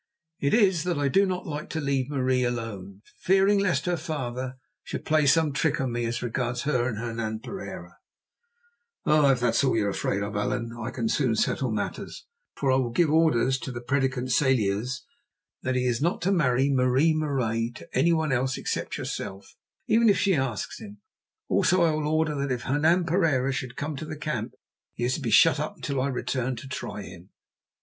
It is that I do not like to leave Marie alone, fearing lest her father should play some trick on me as regards her and Hernan Pereira." "Oh, if that is all you are afraid of, Allan, I can soon settle matters; for I will give orders to the prédicant Celliers that he is not to marry Marie Marais to anyone except yourself, even if she asks him. Also I will order that if Hernan Pereira should come to the camp, he is to be shut up until I return to try him.